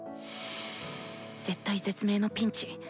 絶体絶命のピンチ！